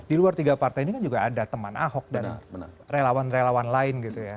di luar tiga partai ini kan juga ada teman ahok dan relawan relawan lain gitu ya